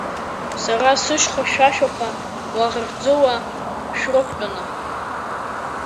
Сара сышьха хьшәашәақәа, лаӷырӡыла шәрықәтәаны.